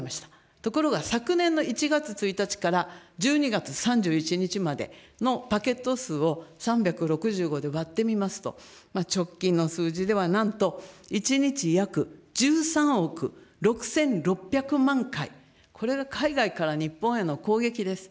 ところが昨年の１月１日から１２月３１日までのパケット数を３６５で割ってみますと、直近の数字ではなんと１日約１３億６６００万回、これが海外から日本への攻撃です。